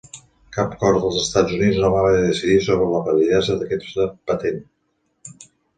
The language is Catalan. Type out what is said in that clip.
Cap cort dels Estats Units no va haver de decidir sobre la validesa d'aquesta patent.